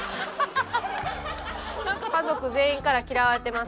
家族全員から嫌われてます